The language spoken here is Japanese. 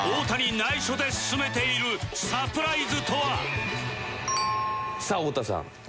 内緒で進めているサプライズとは？